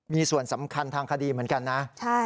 มีส่วนสำคัญทางคดีเหมือนกันนะ